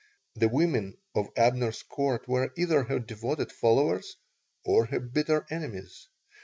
The women of Abner's Court were either her devoted followers or her bitter enemies.